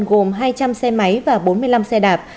gồm hai trăm linh xe máy và bốn mươi năm xe đạp